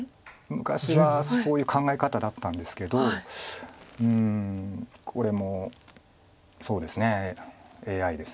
昔はそういう考え方だったんですけどうんこれもそうですねＡＩです。